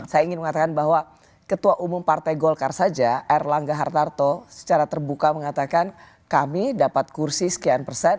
saya ingin mengatakan bahwa ketua umum partai golkar saja erlangga hartarto secara terbuka mengatakan kami dapat kursi sekian persen